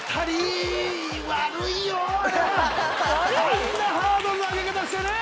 あんなハードルの上げ方してね。